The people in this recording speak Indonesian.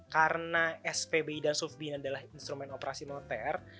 karena spbi dan sufbi ini adalah instrumen operasi moneter